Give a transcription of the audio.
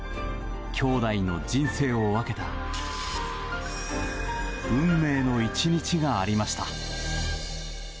兄弟の人生を分けた運命の１日がありました。